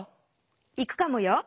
行くかもよ！